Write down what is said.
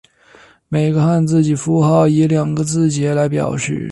每个汉字及符号以两个字节来表示。